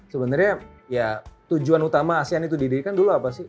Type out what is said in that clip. sebenarnya ya tujuan utama asean itu didirikan dulu apa sih